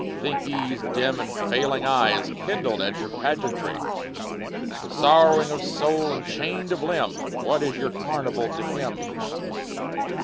Think ye his dim and failing eye Is kindled at your pageantry? Sorrowing of soul, and chained of limb, What is your carnival to him?